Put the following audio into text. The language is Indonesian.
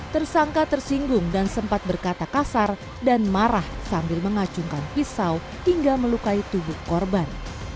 tersangka tersinggung dan sempat berkata kasar dan marah sambil mengacungkan pisau hingga melukai tubuh korban